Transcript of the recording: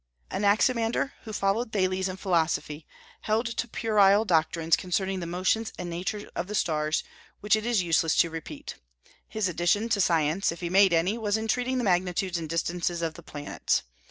Anaximander, who followed Thales in philosophy, held to puerile doctrines concerning the motions and nature of the stars, which it is useless to repeat. His addition to science, if he made any, was in treating the magnitudes and distances of the planets.